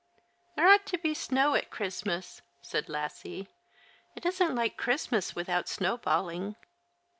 " There ought to be snow at Christmas," said Lassie. " It isn't like Christmas without snowballing."